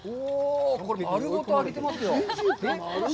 これ丸ごと揚げてますよ。